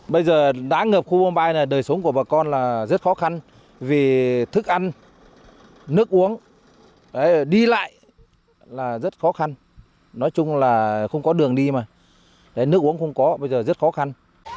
bây giờ đã ngập khu hôm ba là đời sống của bà con là rất khó khăn vì thức ăn nước uống đi lại là rất khó khăn nói chung là không có đường đi mà nước uống không có bây giờ rất khó khăn